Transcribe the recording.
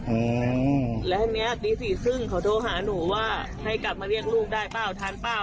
อืมแล้วทีเนี้ยตีสี่ครึ่งเขาโทรหาหนูว่าให้กลับมาเรียกลูกได้เปล่าทานเปล่า